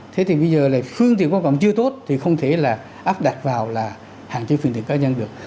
thế thì bây giờ là phương tiện qua cổng chưa tốt thì không thể là áp đặt vào là hạn chế phương tiện cá nhân được